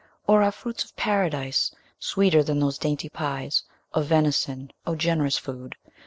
Or are fruits of Paradise Sweeter than those dainty pies Of venison? O generous food!